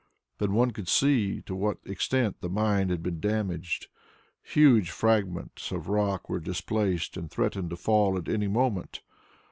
Then one could see to what extent the mine had been damaged. Huge fragments of rock were displaced and threatened to fall at any moment.